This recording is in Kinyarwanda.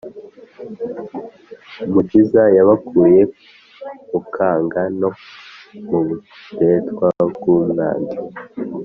umukiza yabakuye mu kaga no mu buretwa bw'umwanzi